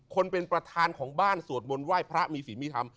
คนเป็นประธานของบ้านสวดมนต์ไหว้พระมีศีลมีธรรม